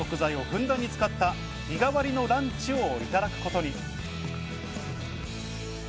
島の食材をふんだんに使った日替わりのランチをいただくことに。